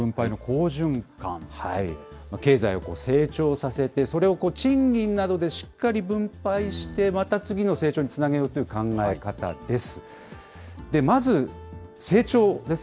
経済を成長させて、それを賃金などでしっかり分配して、また次の成長につなげようという考え方です。